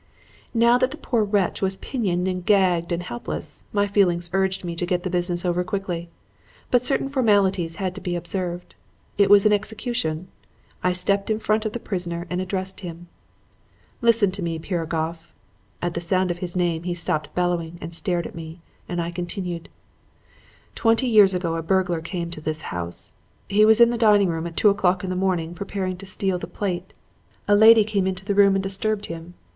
"Now that the poor wretch was pinioned and gagged and helpless, my feelings urged me to get the business over quickly. But certain formalities had to be observed. It was an execution. I stepped in front of the prisoner and addressed him. "'Listen to me, Piragoff.' At the sound of his name he stopped bellowing and stared at me, and I continued, 'Twenty years ago a burglar came to this house. He was in the dining room at two o'clock in the morning preparing to steal the plate. A lady came into the room and disturbed him.